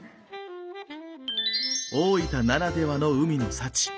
大分ならではの海の幸。